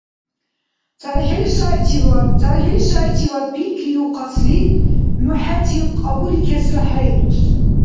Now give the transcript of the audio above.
ЦархӀил шайчивад… ЦархӀил шайчивад пикриухъасли, ну хӀечил кьабуликесра хӀейрус.